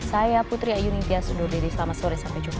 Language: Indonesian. saya putri ayu nintia sendur diri selamat sore sampai jumpa